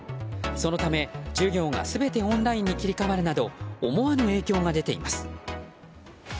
そのため、授業が全てオンラインに切り替わるなど思わぬ影響が出ています。